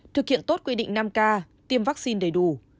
thực hiện tốt quy định năm k tiêm vaccine đầy đủ